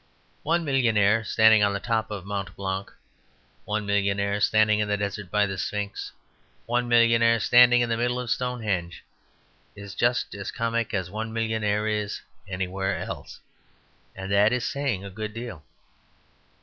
One millionaire standing on the top of Mont Blanc, one millionaire standing in the desert by the Sphinx, one millionaire standing in the middle of Stonehenge, is just as comic as one millionaire is anywhere else; and that is saying a good deal.